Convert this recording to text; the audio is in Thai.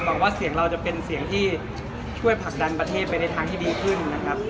หวังว่าเสียงเราจะเป็นเสียงที่ช่วยผลักดันประเทศไปในทางที่ดีขึ้นนะครับ